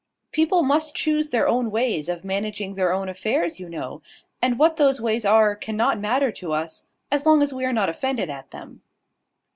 "People must choose their own ways of managing their own affairs, you know: and what those ways are cannot matter to us, as long as we are not offended at them."